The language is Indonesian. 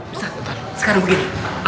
ustaz sekarang begini